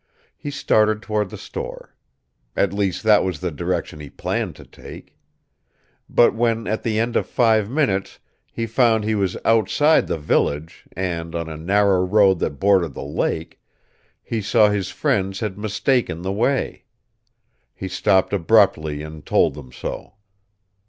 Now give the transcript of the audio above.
He started toward the store. At least that was the direction he planned to take. But when, at the end of five minutes, he found he was outside the village and on a narrow road that bordered the lake, he saw his friends had mistaken the way. He stopped abruptly and told them so.